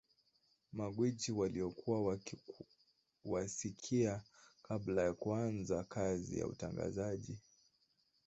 Magwiji waliokuwa wakiwasikia kabla ya kuanza kazi ya utangazaji